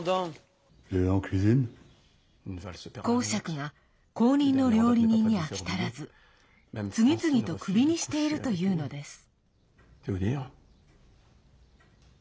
公爵が後任の料理人に飽き足らず次々とクビにしているというのです。